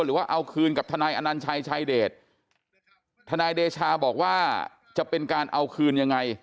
หรือว่าเอาคืนกับทนายอนัญชัยชายเดชทนายเดชาบอกว่าจะเป็นการเอาคืนยังไง